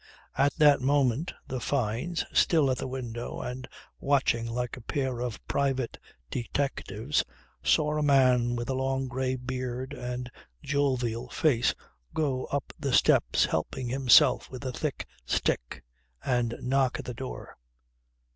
At that moment the Fynes, still at the window and watching like a pair of private detectives, saw a man with a long grey beard and a jovial face go up the steps helping himself with a thick stick, and knock at the door.